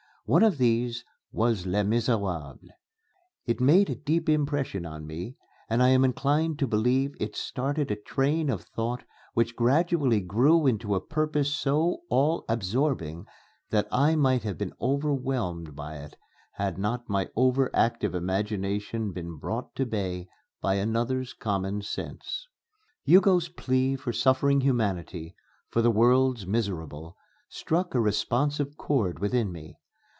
One of these was "Les Misérables." It made a deep impression on me, and I am inclined to believe it started a train of thought which gradually grew into a purpose so all absorbing that I might have been overwhelmed by it, had not my over active imagination been brought to bay by another's common sense. Hugo's plea for suffering Humanity for the world's miserable struck a responsive chord within me.